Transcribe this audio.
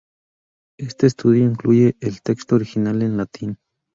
Este estudio incluye el texto original en latín.